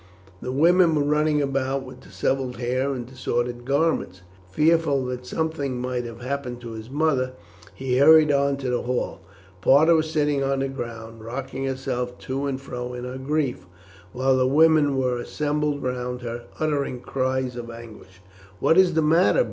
The women were running about with dishevelled hair and disordered garments. Fearful that something might have happened to his mother, he hurried on to the hall. Parta was sitting on the ground rocking herself to and fro in her grief, while the women were assembled round her uttering cries of anguish. "What is the matter?"